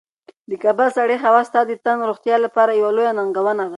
د کابل سړې هوا ستا د تن د روغتیا لپاره یوه لویه ننګونه ده.